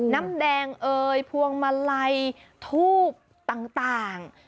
น้ำแดงเอยพวงมาลัยทูปต่างต่าง